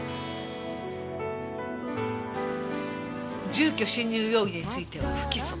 住居侵入容疑については不起訴。